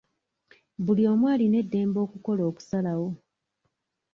Buli omu alina eddembe okukola okusalawo.